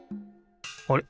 あれ？